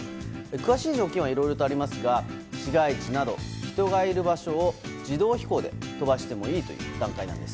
詳しい条件はいろいろとありますが、市街地など人がいる場所を自動飛行で飛ばしてもいいという段階なんです。